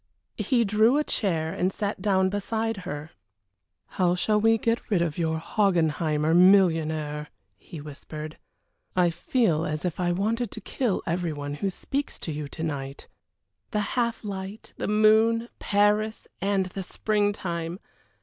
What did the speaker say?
He drew a chair and sat down behind her. "How shall we get rid of your Hogginheimer millionaire?" he whispered. "I feel as if I wanted to kill every one who speaks to you to night." The half light, the moon, Paris, and the spring time!